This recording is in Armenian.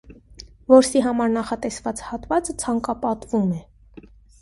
Որսի համար նախատեսված հատվածը ցանկապատվում է։